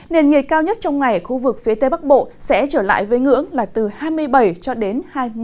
nền nhiệt cao nhất trong ngày ở khu vực phía tây bắc bộ sẽ trở lại với ngưỡng là từ hai mươi bảy cho đến hai mươi